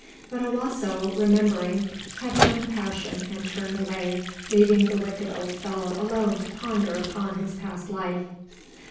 But Owasso, remembering, had no compassion and turned away, leaving the wicked old fellow alone to ponder upon his past life.